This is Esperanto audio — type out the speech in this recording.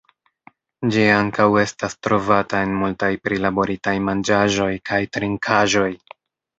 Ĝi ankaŭ estas trovata en multaj prilaboritaj manĝaĵoj kaj trinkaĵoj.